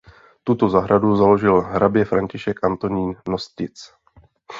Tuto zahradu založil hrabě František Antonín Nostic.